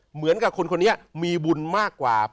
เหมือนกับคนคนนี้มีบุญมากกว่า